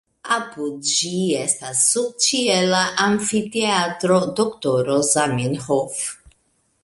Apud ĝi estas subĉiela amfiteatro Doktoro Zamenhof.